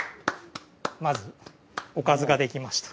まずおかずが出来ました。